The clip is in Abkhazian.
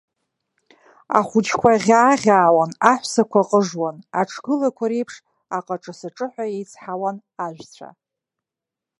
Ахәыҷкәа ӷьаа-ӷьаауан, аҳәсақәа ҟыжуан, аҽгылакәа реиԥш аҟаҿы-сыҿыҳәа еицҳауан ажәцәа.